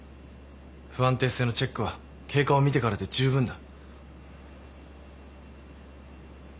不安定性のチェックは経過を見てからで十分だ。